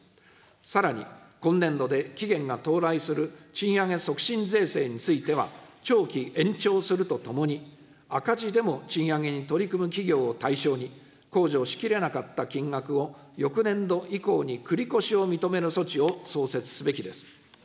さらに、今年度で期限が到来する賃上げ促進税制については、長期延長するとともに、赤字でも賃上げに取り組む企業を対象に、控除しきれなかった金額を、翌年度以降に繰り越しを認める措置を創設すべきです。